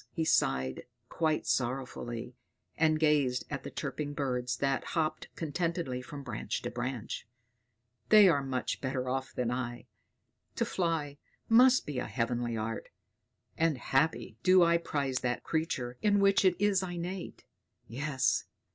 he sighed quite sorrowful, and gazed at the chirping birds that hopped contentedly from branch to branch, "they are much better off than I! To fly must be a heavenly art; and happy do I prize that creature in which it is innate. Yes!